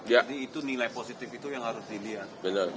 jadi itu nilai positif itu yang harus dilihat